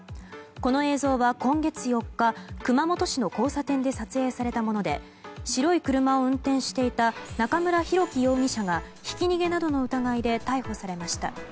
この映像は今月４日熊本市の交差点で撮影されたもので白い車を運転していた中村広樹容疑者がひき逃げなどの疑いで逮捕されました。